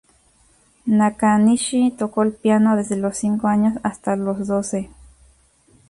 Nakanishi tocó el piano desde los cinco años hasta los doce.